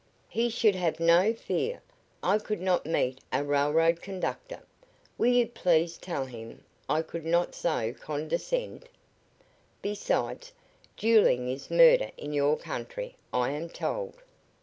"He should have no fear. I could not meet a railroad conductor. Will you please tell him I could not so condescend? Besides, dueling is murder in your country, I am told."